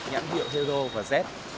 nhãn điệu hero và z